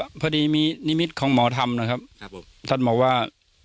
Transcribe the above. ก็พอดีมีนิมิตของหมอทำนะครับครับผมท่านหมอว่า